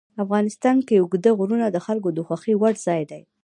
افغانستان کې اوږده غرونه د خلکو د خوښې وړ ځای دی.